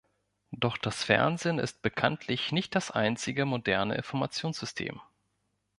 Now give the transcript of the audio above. Doch das Fernsehen ist bekanntlich nicht das einzige moderne Informationssystem.